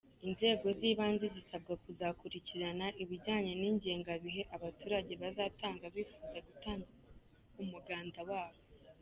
Inzego z’ibanze zisabwa kuzakurikirana ibijyanye n’ingengabihe abaturage bazatanga bifuza gutangiraho umuganda wabo.